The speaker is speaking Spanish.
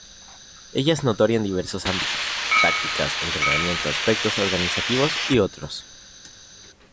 Ella es notoria en diversos ámbitos, tácticas, entrenamiento, aspectos organizativos y otros.